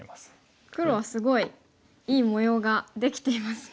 黒はすごいいい模様ができていますね。